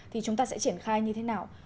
thì chúng ta sẽ triển khai như thế nào